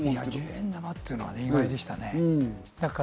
１０円玉というのは意外でした。